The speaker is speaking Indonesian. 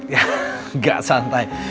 ya gak santai